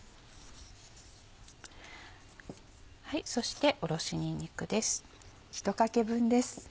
そしておろしにんにくです。